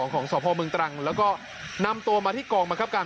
ของสพมตรังแล้วก็นำจากชั้น๒มาที่กองมหัพการ